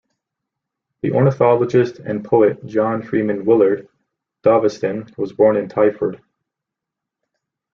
The ornithologist and poet John Freeman Milward Dovaston was born in Twyford.